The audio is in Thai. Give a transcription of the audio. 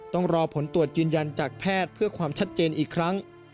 ต้องรอผลตรวจยืนยันจากแพทย์เพื่อความชัดเจนอีกครั้ง